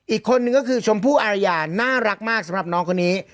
อีกคนนึงก็คือชมพู่อารยาน่ารักมากสำหรับน้องคนนี้